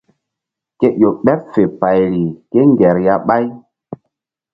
Ku ƴo ɓeɓ fe payri kéŋger ya ɓáy.